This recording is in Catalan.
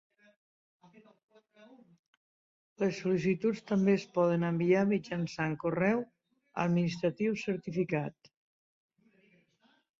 Les sol·licituds també es poden enviar mitjançant correu administratiu certificat.